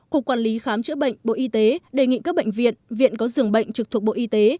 cục quản lý khám chữa bệnh bộ y tế đề nghị các bệnh viện viện có dường bệnh trực thuộc bộ y tế